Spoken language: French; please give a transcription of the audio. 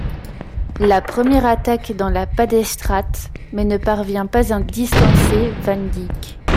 La première attaque dans la Paddestraat mais ne parvient pas à distancer van Dijk.